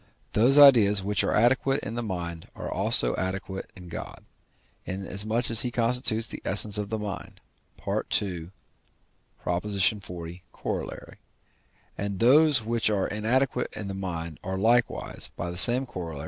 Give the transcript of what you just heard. Those ideas which are adequate in the mind are adequate also in God, inasmuch as he constitutes the essence of the mind (II. xl. Coroll.), and those which are inadequate in the mind are likewise (by the same Coroll.)